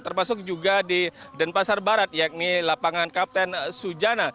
termasuk juga di denpasar barat yakni lapangan kapten sujana